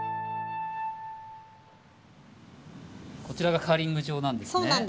こちらがカーリング場なんですね。